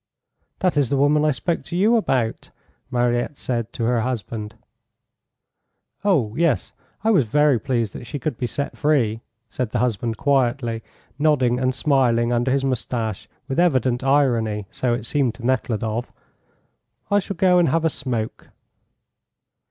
"That is the woman I spoke to you about," Mariette said to her husband. "Oh, yes, I was very pleased that she could be set free," said the husband quietly, nodding and smiling under his moustache with evident irony, so it seemed to Nekhludoff. "I shall go and have a smoke."